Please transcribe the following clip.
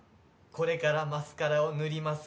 これからマスカラを塗りますから。